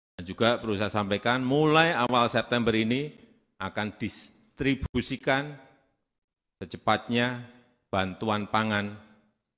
dan juga perlu saya sampaikan mulai awal september ini akan distribusikan secepatnya bantuan pangan beras